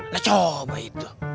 nah coba itu